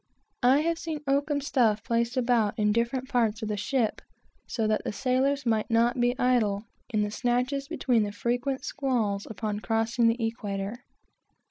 I have seen oakum stuff placed about in different parts of the ship, so that the sailors might not be idle in the snatches between the frequent squalls upon crossing the equator.